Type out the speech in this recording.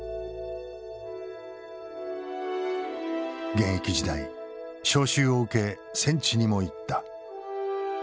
現役時代召集を受け戦地にも行った。